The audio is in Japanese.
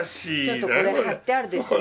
ちょっとこれ貼ってあるでしょ。